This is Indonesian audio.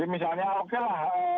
jadi misalnya oke lah